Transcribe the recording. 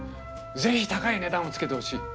是非高い値段を付けてほしい。